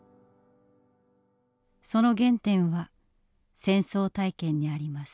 その原点は戦争体験にあります。